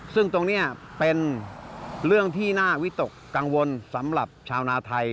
ซึ่งตรงนี้เป็นเรื่องที่น่าวิตกกังวลสำหรับชาวนาไทย